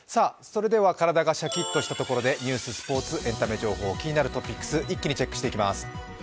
体がシャキッとしたところでニュース、スポーツ、エンタメ情報、気になるトピックス、一気にチェックしていきます。